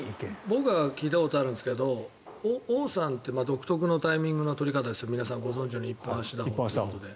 僕は聞いたことあるんですけど王さんは独特のタイミングの取り方で皆さんご存じのように一本足打法で。